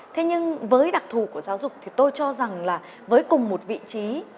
thế nhưng với đặc thù của giáo dục thì tôi cho rằng là với cùng một vị trí